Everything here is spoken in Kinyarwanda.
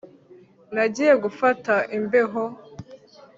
Nagiye gufata imbeho